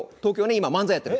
今漫才やってる